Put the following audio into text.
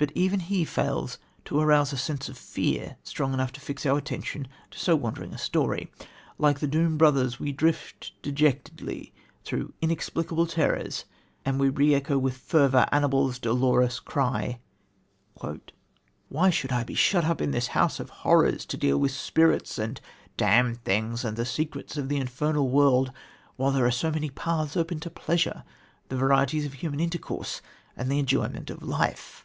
But even he fails to arouse a sense of fear strong enough to fix our attention to so wandering a story. Like the doomed brothers, we drift dejectedly through inexplicable terrors, and we re echo with fervour Annibal's dolorous cry: "Why should I be shut up in this house of horrors to deal with spirits and damned things and the secrets of the infernal world while there are so many paths open to pleasure, the varieties of human intercourse and the enjoyment of life?"